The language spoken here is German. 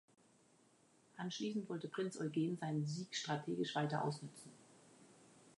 Anschließend wollte Prinz Eugen seinen Sieg strategisch weiter ausnützen.